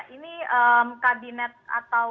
ini kabinet atau